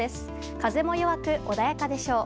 風も弱く、穏やかでしょう。